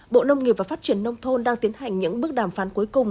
bộ nông nghiệp và phát triển nông thôn đang tiến hành những bước đàm phán cuối cùng